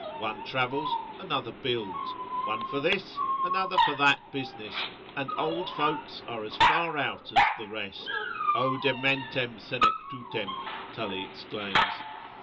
One travels, another builds; one for this, another for that business, and old folks are as far out as the rest; O dementem senectutem, Tully exclaims.